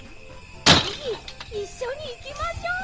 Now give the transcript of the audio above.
ぜひいっしょにいきましょう！